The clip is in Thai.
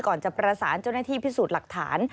ก่อนจะประสานเจ้าหน้าที่พิสูจน์หลักฐาน